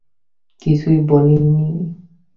কিছু বলিনি।